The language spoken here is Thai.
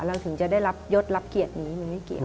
เราถึงจะได้ยดรับเกียรตินี้มันไม่เกียรติ